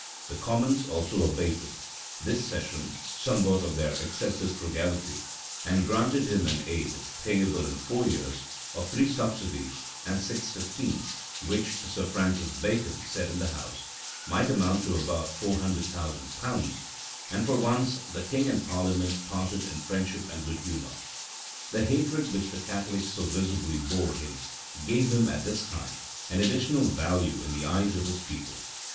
[*] The commons also abated, this session, somewhat of their excessive frugality, and granted him an aid, payable in four years, of three subsidies and six fifteenths, which, Sir Francis Bacon said in the house,[] might amount to about four hundred thousand pounds; and for once the king and parliament parted in friendship and good humor. The hatred which the Catholics so visibly bore him, gave him, at this time, an additional value in the eyes of his people.